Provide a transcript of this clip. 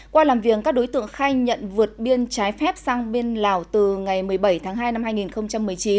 qua làm việc các đối tượng khai nhận vượt biên trái phép sang bên lào từ ngày một mươi bảy tháng hai năm hai nghìn một mươi chín